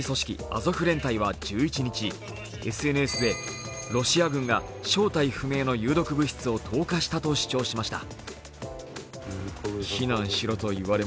アゾフ連隊は１１日、ＳＮＳで、ロシア軍が正体不明の有毒物質を投下したと主張しました。